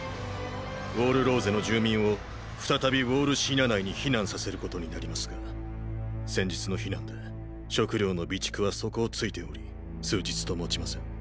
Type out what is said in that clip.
ウォール・ローゼの住民を再びウォール・シーナ内に避難させることになりますが先日の避難で食糧の備蓄は底をついており数日ともちません。